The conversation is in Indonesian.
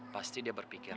pasti dia berpikir